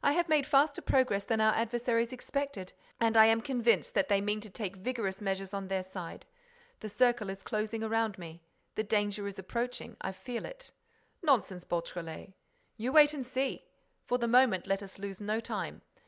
I have made faster progress than our adversaries expected and I am convinced that they mean to take vigorous measures on their side. The circle is closing around me. The danger is approaching. I feel it." "Nonsense, Beautrelet—" "You wait and see! For the moment, let us lose no time.